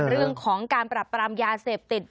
เรื่องของการปรับปรามยาเสพติด